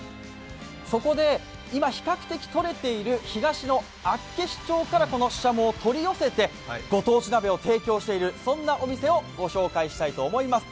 そこで今、比較的とれている東の厚岸町からこのししゃもを取り寄せてご当地鍋を提供しているそんなお店をご紹介したいと思います。